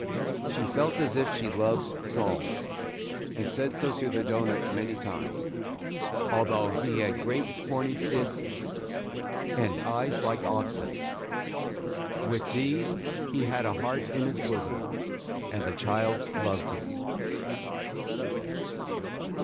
She felt as if she loved Sol, and said so to the doughnut many times, – although he had great horny fists, and eyes like oxen. With these, he had a heart in his bosom, and the child loved him.